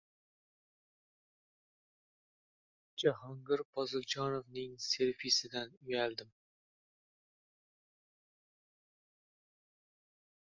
Jahongir Poziljonovning «selfi»sidan uyaldim...